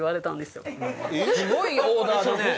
すごいオーダーだね。